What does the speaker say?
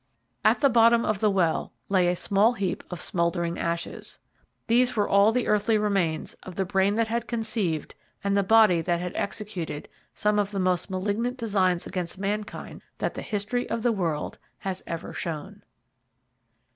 At the bottom of the well lay a small heap of smouldering ashes. These were all the earthly remains of the brain that had conceived and the body that had executed some of the most malignant designs against mankind that the history of the world has ever shown.